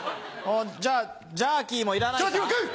じゃあジャーキーもいらないか？